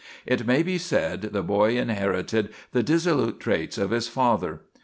It may be said the boy inherited the dissolute traits of his father.